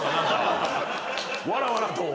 わらわらと。